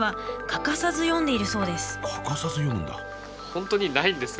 欠かさず読むんだ。